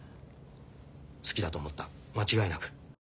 好きだと思った間違いなく。